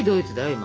今。